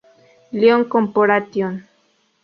Lion Corporation